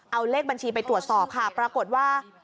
เอาเลขบัญชีไปตรวจสอบค่ะปรากฏว่า